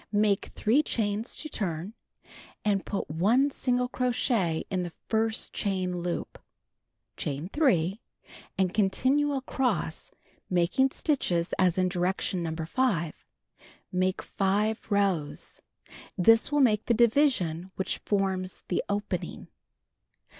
Make 3 chains to turn, and put 1 single crochet in the first chain loop. Chain 3, and continue across, making stitches as in direction No. 5. Make 5 rows. This will make the division which forms the opening.